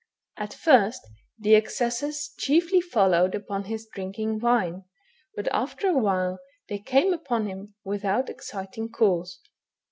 At first the accesses chiefly followed upon his drinking wine, but after a while they came upon him without exciting cause.